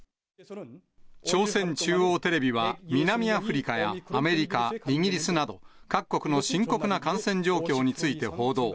朝鮮中央テレビは、南アフリカやアメリカ、イギリスなど、各国の深刻な感染状況について報道。